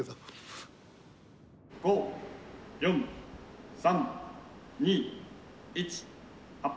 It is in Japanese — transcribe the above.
「５４３２１発破！」。